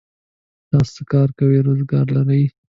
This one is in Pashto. تاسو څه کار روزګار لرئ؟